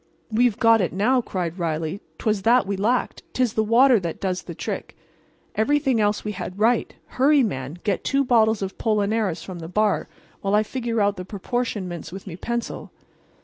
"We've got it now," cried Riley. "'Twas that we lacked. 'Tis the water that does the trick. Everything else we had right. Hurry, man, and get two bottles of 'pollinaris from the bar, while I figure out the proportionments with me pencil."